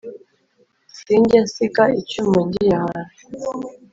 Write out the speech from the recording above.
sinjya nsiga icyuma ngiye ahantu